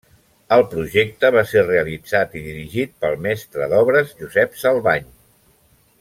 El projecte va ser realitzat i dirigit pel mestre d'obres Josep Salvany.